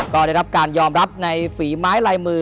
ก็ได้รับการยอมรับในฝีไม้ลายมือ